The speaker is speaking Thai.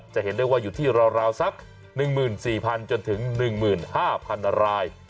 จะเห็นได้ว่าอยู่ที่ราวสัก๑๔๐๐จนถึง๑๕๐๐๐ราย